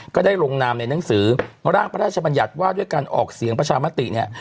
ก็ได้ลงนามในหนังสือร่างพระราชบัญญัติว่าด้วยการออกเสียงประชามติเนี่ย